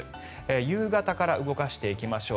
夕方から動かしていきましょう。